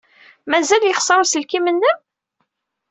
Mazal yexṣer uselkim-nnem?